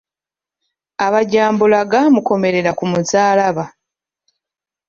Abajambula gaamukomerera ku musaalaba.